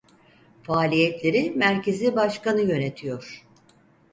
Faaliyetleri merkezi başkanı yönetiyor.